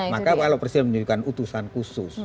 maka kalau persil menunjukkan utusan khusus